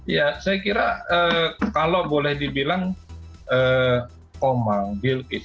ya saya kira kalau boleh dibilang komang bill kiss